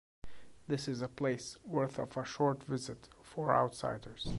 This is a place worth of a short visit for outsiders.